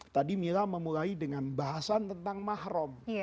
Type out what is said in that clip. tadi mila memulai dengan bahasan tentang mahrum